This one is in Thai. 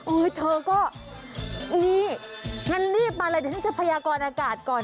เธอก็นี่งั้นรีบมาเลยเดี๋ยวฉันจะพยากรอากาศก่อน